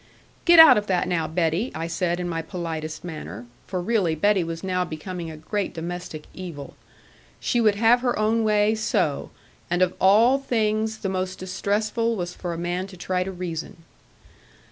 'Get out of that now, Betty,' I said in my politest manner, for really Betty was now become a great domestic evil. She would have her own way so, and of all things the most distressful was for a man to try to reason.